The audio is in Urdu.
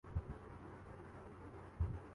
ان کی برآمدات ہم سے کہیں زیادہ ہیں۔